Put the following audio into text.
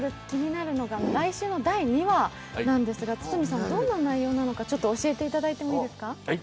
気になるのが来週の第２話なんですが、どんな内容なのか教えていただいてもいいですか？